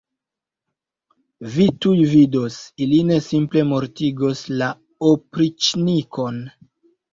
Vi tuj vidos, ili ne simple mortigos la opriĉnikon.